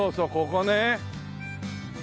ここね。